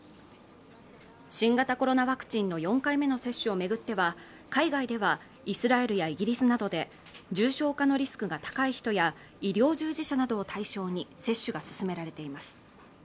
新型コロナワクチンの４回目の接種を巡っては海外ではイスラエルやイギリスなどで重症化のリスクが高い人や医療従事者などを対象に接種が進められています